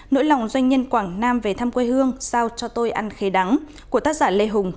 nỗi lòng doanh nhân quảng nam về thăm quê hương sao cho tôi ăn khế đắng của tác giả lê hùng